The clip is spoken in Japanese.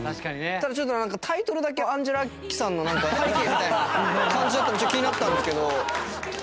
ただタイトルだけアンジェラ・アキさんの『拝啓』みたいな感じだったのが気になったんですけど。